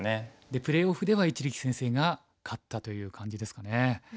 でプレーオフでは一力先生が勝ったという感じですかね。